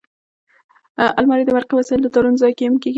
الماري د برقي وسایلو د تارونو ځای هم کېږي